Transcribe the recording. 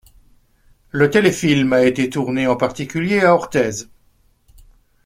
Le téléfilm a été tourné en particulier à Orthez.